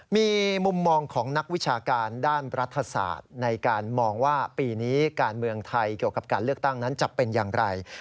มีมุมมองของนักวิชาการด้านรัฐศาสตร์ในการมองว่าปีนี้การเมืองไทยเกี่ยวกับการเลือกตั้งนั้นจะเป็นอย่างไร